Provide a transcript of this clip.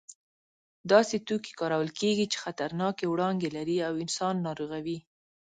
داسې توکي کارول کېږي چې خطرناکې وړانګې لري او انسان ناروغوي.